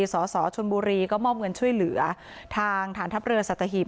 สสชนบุรีก็มอบเงินช่วยเหลือทางฐานทัพเรือสัตหีบ